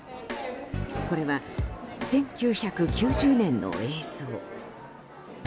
これは１９９０年の映像。